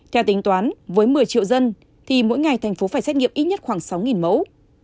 theo tính toán với một mươi triệu dân thì mỗi ngày thành phố phải xét nghiệm ít nhất khoảng sáu mẫu